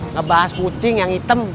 ngebahas kucing yang item